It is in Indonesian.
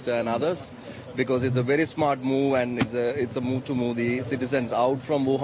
karena ini adalah pergerakan yang sangat bijak dan ini adalah pergerakan untuk memindahkan warga dari wuhan